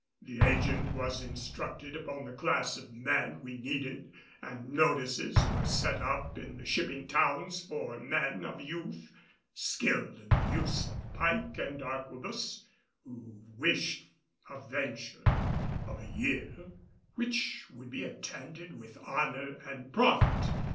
The agent was instructed upon the class of men we needed and notices were set up in the shipping towns for men of youth, skilled in the use of pike and arquebus, who wished a venture of a year which would be attended with honor and profit.